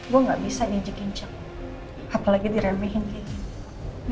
gue gak bisa ngijik injak apalagi diremehin kayak gini